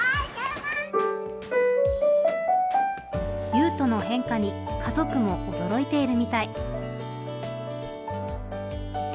雄羽斗の変化に家族も驚いているみたい。